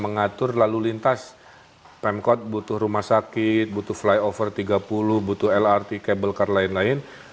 mengatur lalu lintas pemkot butuh rumah sakit butuh flyover tiga puluh butuh lrt kabel kar lain lain